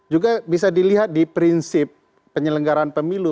juga bisa dilihat di prinsip penyelenggaran pemilu